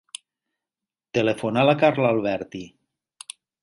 Telefona a la Carla Alberti.